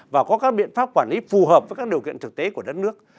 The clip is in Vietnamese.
và có các biện pháp quản lý phù hợp với các điều kiện thực tế của đất nước